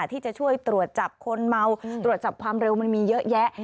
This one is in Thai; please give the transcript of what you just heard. ที่จะช่วยตรวจจับคนเมาตรวจจับความเร็วมันมีเยอะแยะ